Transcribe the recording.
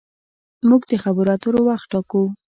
موږ د خبرو اترو وخت ټاکو.